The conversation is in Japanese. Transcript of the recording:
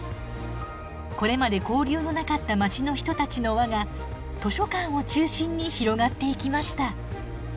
これまで交流のなかった街の人たちの輪が図書館を中心に広がっていきました。